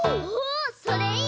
それいい！